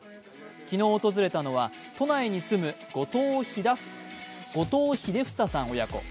昨日訪れたのは都内に住む後藤さん親子。